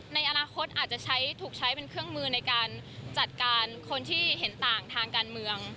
ในอนาคตอาจจะใช้ถูกใช้เป็นเครื่องมือในการจัดการคนที่เห็นต่างทางการเมือง